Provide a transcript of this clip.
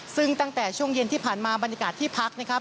ซึ่งตั้งแต่ช่วงเย็นที่ผ่านมาบรรยากาศที่พักนะครับ